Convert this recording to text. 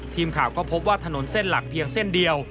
ทีมข่าวก็พบว่าถนนเส้นหลักเพียงเส้นเดียว